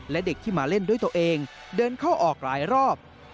และเด็กที่มาเล่นด้วยตัวเองเดินเข้าออกหลายรอบ